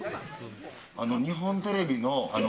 あの、日本テレビの。